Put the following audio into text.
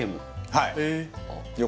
はい